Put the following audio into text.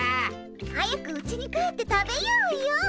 早くうちに帰って食べようよ。